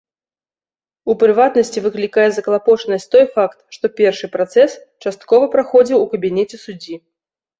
У прыватнасці, выклікае заклапочанасць той факт, што першы працэс часткова праходзіў у кабінеце суддзі.